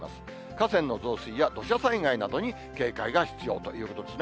河川の増水や土砂災害などに警戒が必要ということですね。